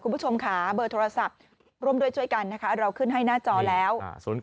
คุณผู้ชมค่ะเบอร์โทรศัพท์ร่วมด้วยช่วยกันนะคะเราขึ้นให้หน้าจอแล้ว